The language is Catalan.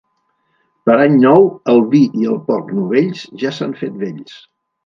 Per Any Nou el vi i el porc novells ja s'han fet vells.